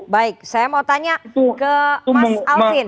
baik saya mau tanya ke mas alvin